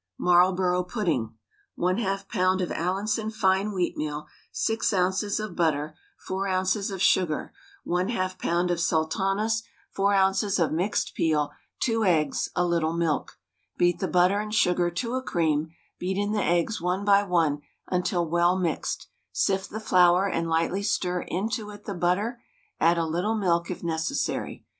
MARLBOROUGH PUDDING. 1/2 lb. of Allinson fine wheatmeal, 6 oz. of butter, 4 oz. of sugar, 1/2 lb. of sultanas, 4 oz. of mixed peel, 2 eggs, a little milk. Beat the butter and sugar to a cream, beat in the eggs one by one until well mixed, sift the flour and lightly stir it into the butter, add a little milk if necessary.